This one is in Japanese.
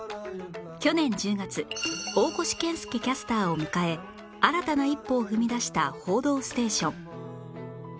去年１０月大越健介キャスターを迎え新たな一歩を踏み出した『報道ステーション』